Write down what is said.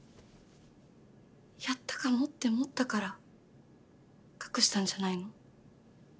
やったかもって思ったから隠したんじゃないの？